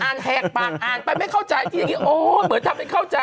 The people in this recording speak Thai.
แหกปากอ่านไปไม่เข้าใจที่อย่างนี้โอ้เหมือนทำเป็นเข้าใจ